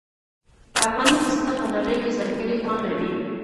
افغاني پسته په نړۍ کې ځانګړی خوند لري.